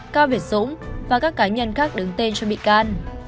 cao việt dũng và các cá nhân khác đứng tên cho bị can